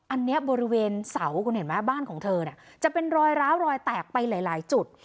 อันนี้บริเวณเสาคุณเห็นไหมบ้านของเธอเนี่ยจะเป็นรอยร้าวรอยแตกไปหลายจุด